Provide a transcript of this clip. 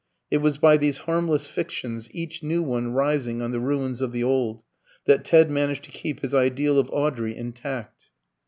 It was by these harmless fictions, each new one rising on the ruins of the old, that Ted managed to keep his ideal of Audrey intact.